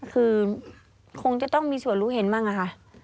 คือคงจะต้องมีส่วนรู้เห็นบ้างอะค่ะ